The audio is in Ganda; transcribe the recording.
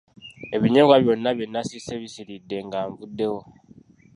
Ebinyeebwa byonna bye nasiise bisiiridde nga nvuddewo.